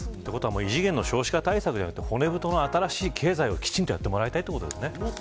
異次元の少子化対策ではなく骨太の新しい経済をきちんとやってもらいたいということですね。